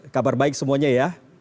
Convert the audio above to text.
kabar baik semuanya ya